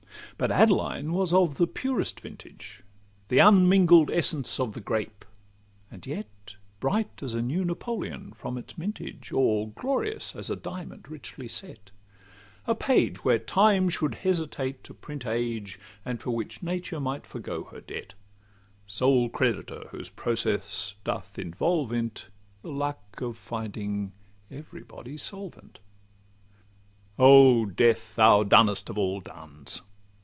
But Adeline was of the purest vintage, The unmingled essence of the grape; and yet Bright as a new Napoleon from its mintage, Or glorious as a diamond richly set; A page where Time should hesitate to print age, And for which Nature might forego her debt— Sole creditor whose process doth involve in 't The luck of finding every body solvent. O Death! thou dunnest of all duns!